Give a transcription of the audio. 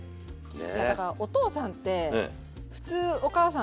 いやだからお父さんって普通お母さんがね